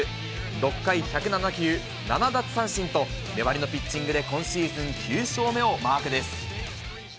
６回１０７球、７奪三振と、粘りのピッチングで今シーズン９勝目をマークです。